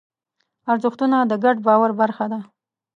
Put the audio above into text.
ارزښتونه د ګډ باور برخه ده.